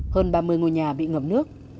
hơn ba mươi ngôi nhà bị ngập nước